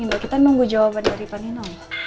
gimana panino kita nunggu jawaban dari panino